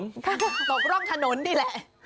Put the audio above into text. ตกร่องถนนนี่แหละ